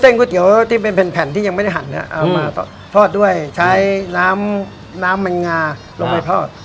ใช้เส้นก๋วยเตี๋ยวที่เป็นแผ่นที่ยังไม่ได้หันครับเอามาทอดด้วยใช้น้ำแม่งงาลงไปทอด